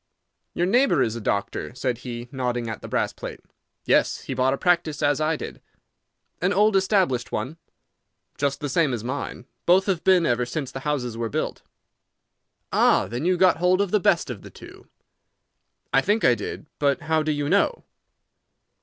"Your neighbour is a doctor," said he, nodding at the brass plate. "Yes; he bought a practice as I did." "An old established one?" "Just the same as mine. Both have been ever since the houses were built." "Ah! Then you got hold of the best of the two." "I think I did. But how do you know?"